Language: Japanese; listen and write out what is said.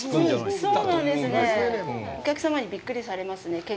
お客様にびっくりされますね。